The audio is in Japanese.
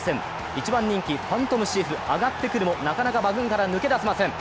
１番人気ファントムシーフ、上がってくるもなかなか馬群から抜け出せません。